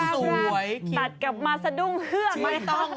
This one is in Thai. ตัดกลับมาสะดุ้งเครื่อง